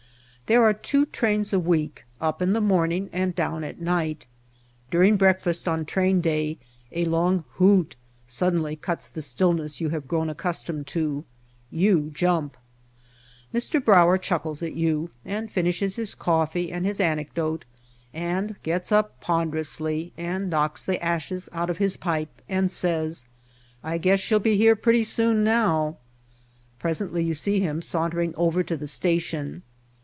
There are two trains a week, up in the morning and down at night. During breakfast on train day a long hoot suddenly cuts the stillness you have grown accustomed to. You jump. Mr. Brauer chuckles at you and finishes his coffee and his anecdote, and gets up ponderously and knocks the ashes out of his pipe and says: "I guess she'll be here pretty soon now." Presently you see him sauntering over to the station.